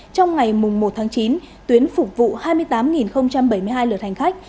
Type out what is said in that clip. trong ngày một tháng chín tuyến phục vụ hai mươi tám bảy mươi hai lượt hành khách